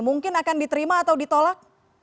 mungkin akan diterima atau ditolak